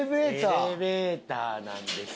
エレベーターなんです。